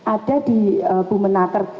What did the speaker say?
ada di bumenaker